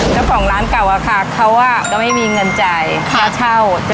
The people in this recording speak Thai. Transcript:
เจ้าของร้านเก่าอะค่ะเขาก็ไม่มีเงินจ่ายค่าเช่า